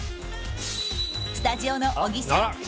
スタジオの小木さん